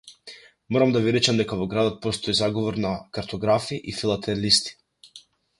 Морам да ви речам дека во градот постои заговор на картографи и филателисти.